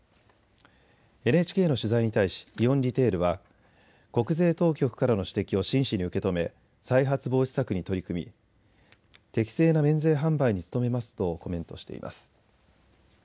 ＮＨＫの取材に対しイオンリテールは国税当局からの指摘を真摯に受け止め再発防止策に取り組み適正な免税販売に努めますとコメントしています。